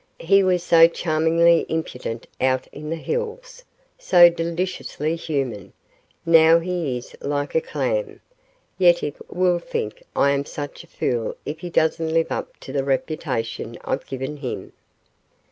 "He was so charmingly impudent out in the hills, so deliciously human. Now he is like a clam. Yetive will think I am such a fool if he doesn't live up to the reputation I've given him!"